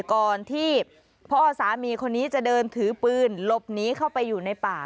ก่อนที่พ่อสามีคนนี้จะเดินถือปืนหลบหนีเข้าไปอยู่ในป่า